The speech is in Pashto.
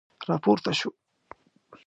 را پورته شو.